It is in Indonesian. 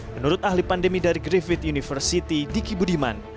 menurut ahli pandemi dari grafitt university di kibudiman